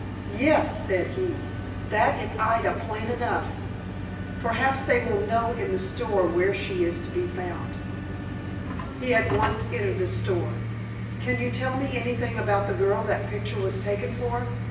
"Yes," said he, "that is Ida, plain enough. Perhaps they will know in the store where she is to be found." He at once entered the store. "Can you tell me anything about the girl that picture was taken for?"